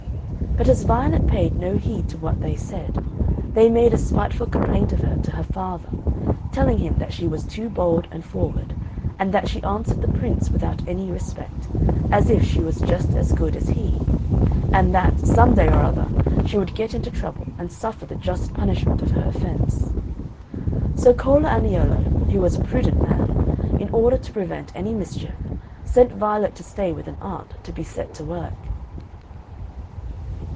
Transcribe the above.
But as Violet paid no heed to what they said, they made a spiteful complaint of her to her father, telling him that she was too bold and forward; and that she answered the Prince without any respect, as if she were just as good as he; and that, some day or other, she would get into trouble and suffer the just punishment of her offence. So Cola Aniello, who was a prudent man, in order to prevent any mischief, sent Violet to stay with an aunt, to be set to work.